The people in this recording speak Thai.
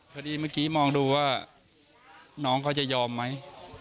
พอดีเมื่อกี้มองดูว่าน้องเขาจะยอมไหม